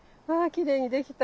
きれいにできた。